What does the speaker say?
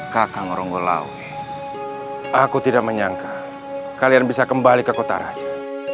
kakang ronggolawe aku tidak menyangka kalian bisa kembali ke kota raja